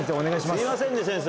すいませんね先生。